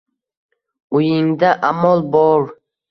Uyingda amol bo-or!